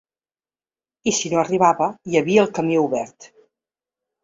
I si no arribava, hi havia el camí obert.